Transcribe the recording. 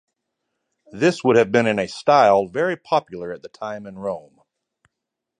This would have been in a style very popular at the time in Rome.